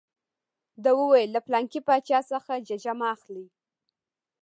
ده وویل له پلانکي باچا څخه ججه مه اخلئ.